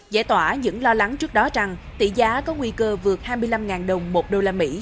giải tỏa những lo lắng trước đó rằng tỷ giá có nguy cơ vượt hai mươi năm đồng một usd